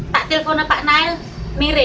pak telponnya pak nail mirip